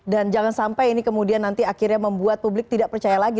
dan jangan sampai ini kemudian nanti akhirnya membuat publik tidak percaya lagi